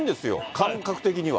感覚的には。